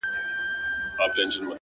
o ځوان د تکي زرغونې وني نه لاندي،